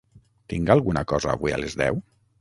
Tinc alguna cosa avui a les deu?